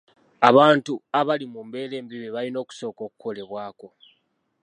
Abantu abali mu mbeera embi be balina okusooka okukolebwako.